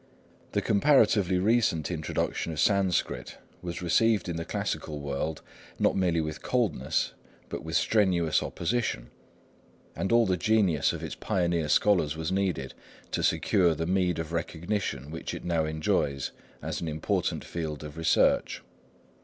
The comparatively recent introduction of Sanskrit was received in the classical world, not merely with coldness, but with strenuous opposition; and all the genius of its pioneer scholars was needed to secure the meed of recognition which it now enjoys as an important field of research.